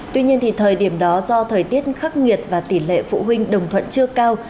tuy nhiên thời điểm đó do thời tiết khắc nghiệt và tỷ lệ phụ huynh đồng thuận chưa cao